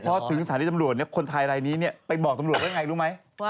เพราะถึงสถานที่จำรวจคนไทยรายนี้ไปบอกจำรวจว่าอย่างไรรู้ไหม